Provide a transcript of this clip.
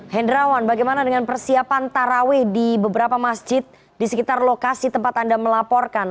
hendrawan bagaimana dengan persiapan taraweh di beberapa masjid di sekitar lokasi tempat anda melaporkan